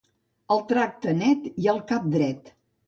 El tracte net i el cap dret.